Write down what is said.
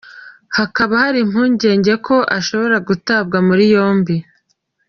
Hakaba hari impungenge ko ashobora gutabwa muri yombi.